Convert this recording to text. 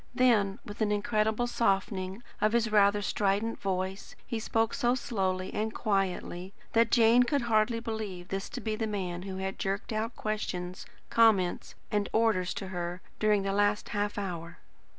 Then, with an incredible softening of his rather strident voice, he spoke so slowly and quietly, that Jane could hardly believe this to be the man who had jerked out questions, comments, and orders to her, during the last half hour.